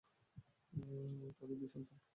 তাদের দুই সন্তান।